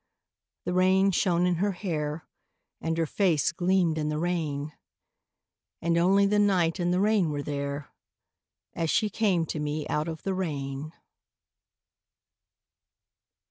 The rain shone in her hair, And her face gleamed in the rain; And only the night and the rain were there As she came to me out of the rain.